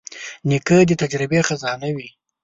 نیکه د تجربې خزانه وي.